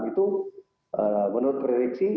itu menurut prediksi